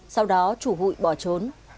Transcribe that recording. sau đó chủ hụi bỏ trốn